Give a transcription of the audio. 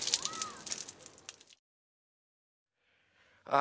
あ。